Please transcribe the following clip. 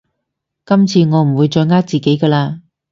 今次我唔會再呃自己㗎喇